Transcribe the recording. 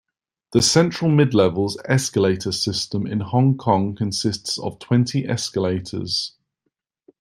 The Central-Midlevels escalator system in Hong Kong consists of twenty escalators.